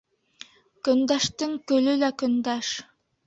Көндәштең көлө лә көндәш.